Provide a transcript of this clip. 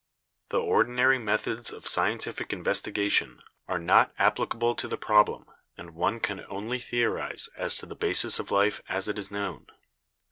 The ordinary methods of scientific investigation are not appli cable to the problem and one can only theorize as to the basis of life as it is known.